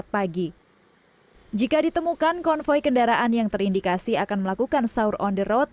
pagi jika ditemukan konvoy kendaraan yang terindikasi akan melakukan sahur on the road